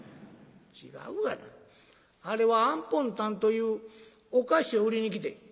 あれはあんぽんたんというお菓子を売りに来てん」。